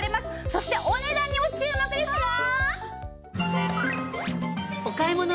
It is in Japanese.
そしてお値段にも注目ですよ！